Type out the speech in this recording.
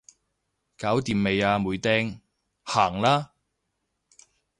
搞掂未啊妹釘，行啦